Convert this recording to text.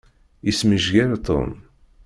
Yesmejger Tom.